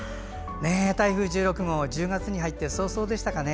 台風１６号、１０月に入って早々でしたかね。